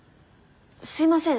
すいません。